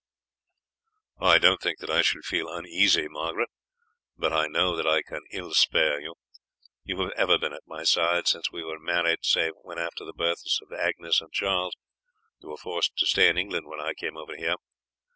"I don't think that I shall feel uneasy, Margaret; but I know that I can ill spare you. You have ever been at my side since we were married, save when, after the birth of Agnes and Charles, you were forced to stay in England when I came over here.